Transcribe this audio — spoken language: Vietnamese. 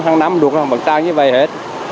hàng năm lục là vẫn trang như vậy hết